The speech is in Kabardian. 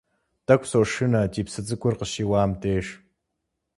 Тӏэкӏу сошынэ ди псы цӏыкӏур къыщиуам деж.